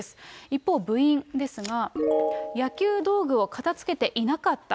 一方、部員ですが、野球道具を片づけていなかった。